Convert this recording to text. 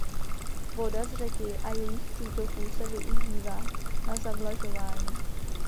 Voda z řeky a jejích přítoků se využívá na zavlažování.